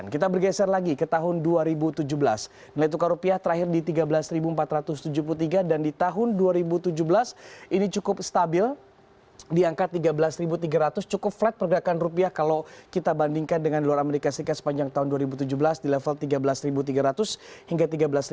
kita bergeser lagi ke tahun dua ribu tujuh belas nilai tukar rupiah terakhir di tiga belas empat ratus tujuh puluh tiga dan di tahun dua ribu tujuh belas ini cukup stabil di angka tiga belas tiga ratus cukup flat pergerakan rupiah kalau kita bandingkan dengan dolar amerika serikat sepanjang tahun dua ribu tujuh belas di level tiga belas tiga ratus hingga tiga belas lima ratus